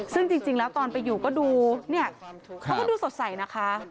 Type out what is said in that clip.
ซึ่งจริงแล้วตอนไปอยู่ก็ดูเนี่ยเขาก็ดูสดใสนะคะ